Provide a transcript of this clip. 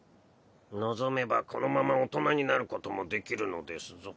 望めばこのまま大人になることもできるのですぞ。